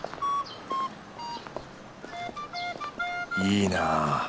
いいな。